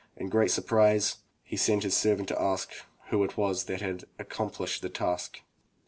In great surprise, he sent his servant to ask who it was that had accom plished the task.